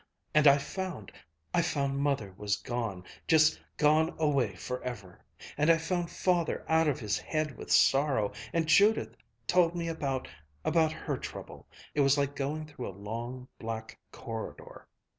and I found I found Mother was gone, just gone away forever and I found Father out of his head with sorrow and Judith told me about about her trouble. It was like going through a long black corridor.